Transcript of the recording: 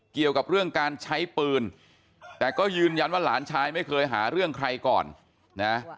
เกี่ยวกับเรื่องการใช้ปืนแต่ก็ยืนยันว่าหลานชายไม่เคยหาเรื่องใครก่อนนะ